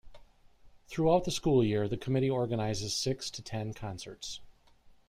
Throughout the school year the committee organizes six to ten concerts.